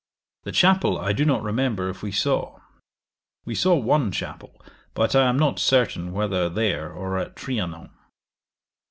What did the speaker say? The chapel I do not remember if we saw We saw one chapel, but I am not certain whether there or at Trianon.